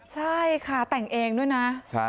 ใช่ค่ะแต่งเองด้วยนะ